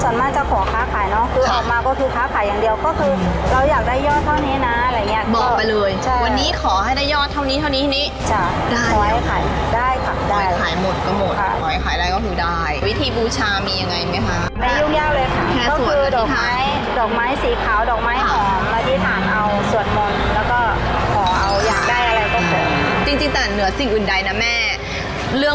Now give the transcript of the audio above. ส่วนมากจะขอค้าขายเนอะคือออกมาก็คือค้าขายอย่างเดียว